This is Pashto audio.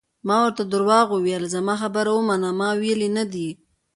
ما ورته درواغ وویل: زما خبره ومنه، ما ویلي نه دي.